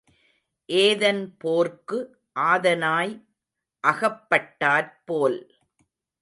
ஏதன் போர்க்கு ஆதனாய் அகப்பட்டாற்போல்.